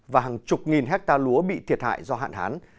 và hàng chục nghìn hectare lúa bị thiệt hại do hạn hán